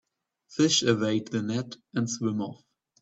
Fish evade the net and swim off.